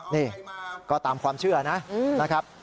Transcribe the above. นี่ก็ตามความเชื่อนะครับ